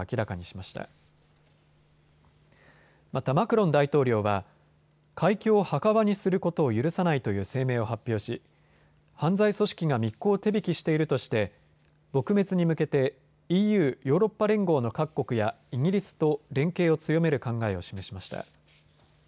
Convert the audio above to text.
またマクロン大統領は海峡を墓場にすることを許さないという声明を発表し犯罪組織が密航を手引きしているとして撲滅に向けてＥＵ・ヨーロッパ連合の各国やイギリスと連携を強める考えを示しました。